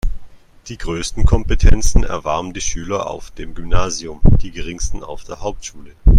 Die größten Kompetenzen erwarben die Schüler auf dem Gymnasium, die geringsten auf der Hauptschule.